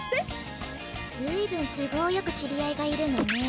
ずいぶん都合よく知り合いがいるのね。